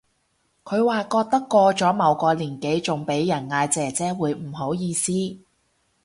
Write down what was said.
佢話覺得過咗某個年紀仲俾人嗌姐姐會唔好意思